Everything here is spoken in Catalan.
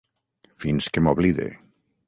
Fins que m'oblide.